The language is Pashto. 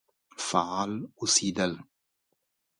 فعال اوسېدل.